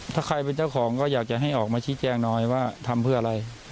ถ้าใครเป็นเจ้าของก็อยากจะให้ออกมาชี้แจงหน่อยว่าทำเพื่ออะไร